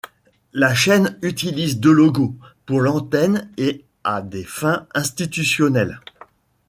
La chaîne utilise deux logos, pour l'antenne et à des fins institutionnelles.